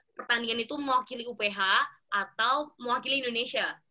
pertandingan itu mewakili uph atau mewakili indonesia